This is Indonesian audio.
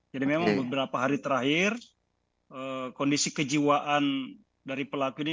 jadi memang beberapa hari terakhir kondisi kejiwaan dari pelaku ini